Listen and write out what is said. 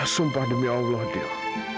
sumpah demi allah dilek